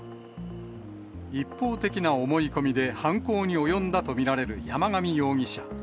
一方的な思い込みで犯行に及んだと見られる山上容疑者。